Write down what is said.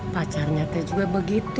pacarnya teh juga begitu